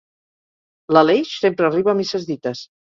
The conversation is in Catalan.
L'Aleix sempre arriba a misses dites.